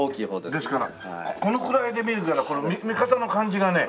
ですからこのくらいで見るから見方の感じがね。